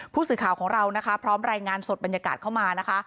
ผู้สื่อข่าวของเรานะคะพร้อมรายงานสดบรรยากาศเข้ามานะคะ